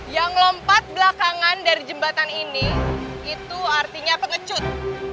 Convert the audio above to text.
yang lompat belakangan dari jembatan ini itu artinya pengecut